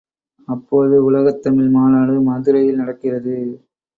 அப்போது உலகத் தமிழ் மாநாடு மதுரையில் நடக்கிறது.